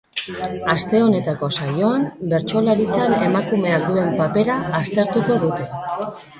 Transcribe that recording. Aste honetako saioan bertsolaritzan emakumeak duen papera aztertuko dute.